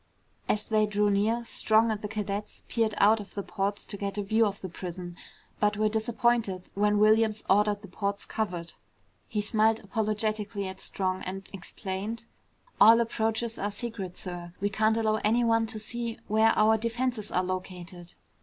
As they drew near, Strong and the cadets peered out of the ports to get a view of the prison, but were disappointed when Williams ordered the ports covered. He smiled apologetically at Strong and explained, "All approaches are secret, sir. We can't allow anyone to see where our defenses are located."